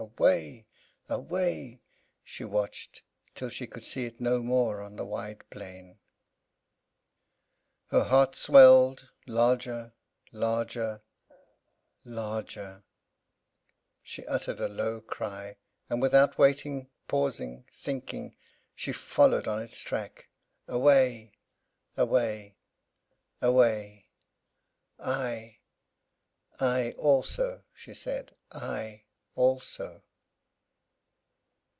Away, away! She watched, till she could see it no more on the wide plain. Her heart swelled, larger, larger, larger: she uttered a low cry; and without waiting, pausing, thinking, she followed on its track. Away, away, away! "I I also!" she said, "I I also!"